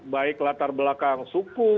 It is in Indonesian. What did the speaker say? baik latar belakang suku